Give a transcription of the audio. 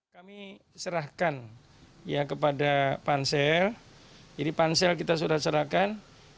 kami serahkan ya kepada pansel jadi pansel kita sudah serahkan